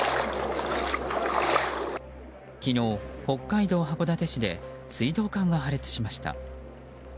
昨日、北海道函館市で水道管が破裂しました。